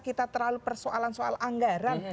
kita terlalu persoalan soal anggaran